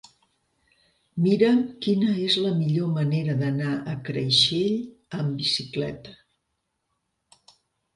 Mira'm quina és la millor manera d'anar a Creixell amb bicicleta.